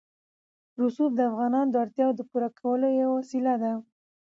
رسوب د افغانانو د اړتیاوو د پوره کولو یوه وسیله ده.